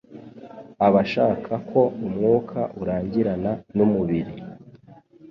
abashaka ko umwuka urangirana numubiri